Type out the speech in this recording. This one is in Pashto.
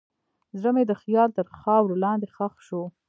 زړه مې د خیال تر خاورو لاندې ښخ شو.